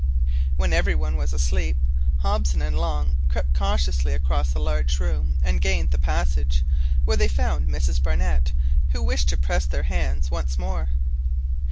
When every one was asleep, Hobson and Long crept cautiously across the large room and gained the passage, where they found Mrs Barnett, who wished to press their hands once more.